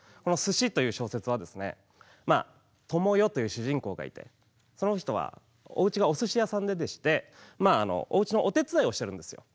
「鮨」という小説はともよという主人公がいてその人は、おうちがおすし屋さんでしておうちのお手伝いをしてるんですよ。